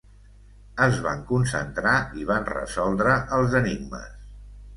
Es van concentrar i van resoldre els enigmes.